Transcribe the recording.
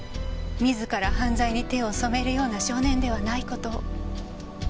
自ら犯罪に手を染めるような少年ではない事を。